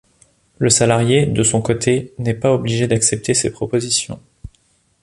Le salarié, de son côté, n’est pas obligé d’accepter ces propositions.